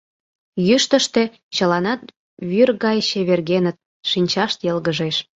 Йӱштыштӧ чыланат вӱр гай чевергеныт, шинчашт йылгыжеш.